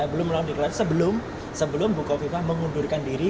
belum melakukan deklarasi sebelum ibu khofifah mengundurkan diri